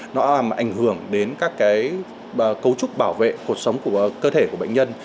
nó làm ảnh hưởng đến các cấu trúc bảo vệ cuộc sống của cơ thể của bệnh nhân